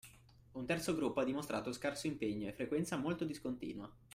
Un terzo gruppo ha dimostrato scarso impegno e frequenza molto discontinua